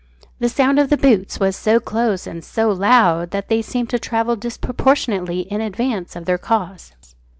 The sound of the boots was so close and so loud that they seemed to travel disproportionately in advance of their cause.